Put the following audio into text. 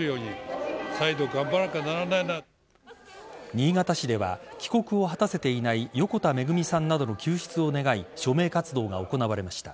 新潟市では帰国を果たせていない横田めぐみさんなどの救出を願い署名活動が行われました。